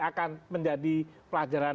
akan menjadi pelajaran